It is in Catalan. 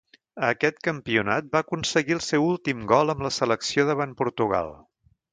A aquest campionat va aconseguir el seu últim gol amb la selecció davant Portugal.